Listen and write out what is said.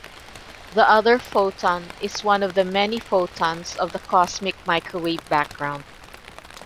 The other photon is one of the many photons of the cosmic microwave background.